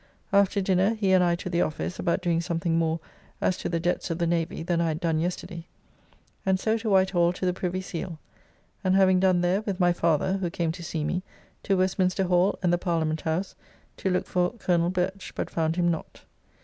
After dinner he and I to the office about doing something more as to the debts of the Navy than I had done yesterday, and so to Whitehall to the Privy Seal, and having done there, with my father (who came to see me) to Westminster Hall and the Parliament House to look for Col. Birch, but found him not.